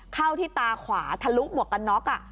เข้าที่ตาขวาทะลุหมวกกันน็อก